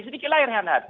sedikit lahir renhad